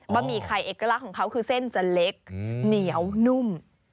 หมี่ไข่เอกลักษณ์ของเขาคือเส้นจะเล็กเหนียวนุ่ม